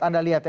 anda lihat ya